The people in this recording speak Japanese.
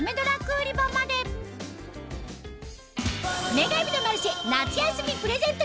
『女神のマルシェ』夏休みプレゼント